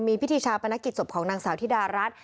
มีพิธีชาปนกิจศพของนางสาวธิดารัฐ